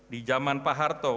di zaman pak harto